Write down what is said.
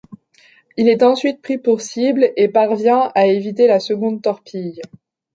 Il est ensuite pris pour cible et parvient à éviter la seconde torpille.